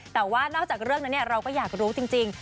แต่ว่านอกจากเรื่องนั้นเราก็อยากรู้จริง